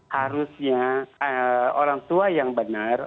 harusnya orang tua yang benar